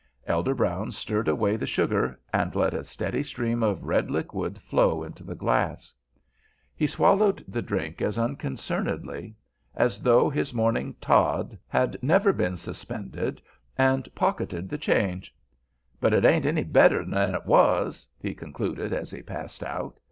Elder Brown stirred away the sugar, and let a steady stream of red liquid flow into the glass. He swallowed the drink as unconcernedly as though his morning tod had never been suspended, and pocketed the change. "But it ain't any better than it was," he concluded, as he passed out.